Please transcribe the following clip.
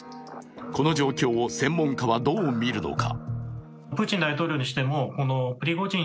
この状況を専門家はどうみるのか。